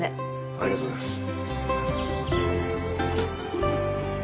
ありがとうございます。